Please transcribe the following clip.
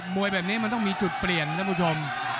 วยแบบนี้มันต้องมีจุดเปลี่ยนท่านผู้ชม